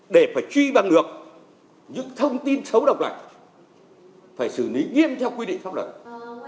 để phải truy bằng được những thông tin xấu độc phải xử lý nghiêm theo quy định pháp luật